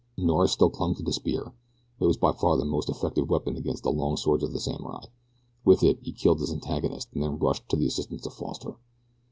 Norris still clung to the spear it was by far the most effective weapon against the long swords of the samurai. With it he killed his antagonist and then rushed to the assistance of Foster.